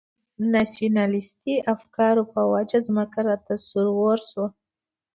ناسیونالیستي افکارو په وجه مځکه راته سور اور شوه.